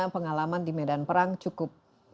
pengalaman di medan perang cukup